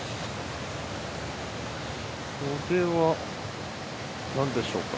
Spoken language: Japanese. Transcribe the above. これは何でしょうか？